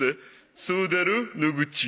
「そうだろ？野口」